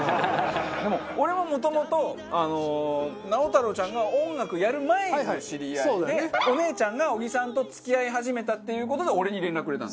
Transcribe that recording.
でも俺ももともと直太朗ちゃんが音楽やる前の知り合いでお姉ちゃんが小木さんと付き合い始めたっていう事で俺に連絡くれた。